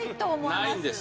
ないんです。